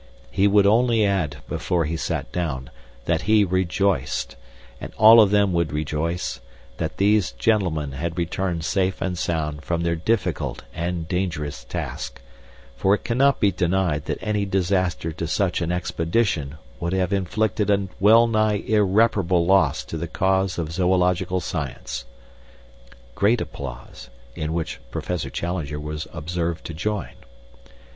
He would only add, before he sat down, that he rejoiced and all of them would rejoice that these gentlemen had returned safe and sound from their difficult and dangerous task, for it cannot be denied that any disaster to such an expedition would have inflicted a well nigh irreparable loss to the cause of Zoological science.' (Great applause, in which Professor Challenger was observed to join.)